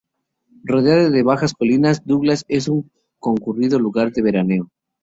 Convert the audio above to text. Rodeada de bajas colinas, Douglas es un concurrido lugar de veraneo.